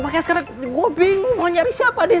makanya sekarang gue bingung mau nyari siapa deh